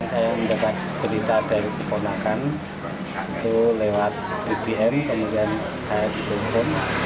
saya mendapat berita dari kepolakan itu lewat bbm kemudian saya ditunggu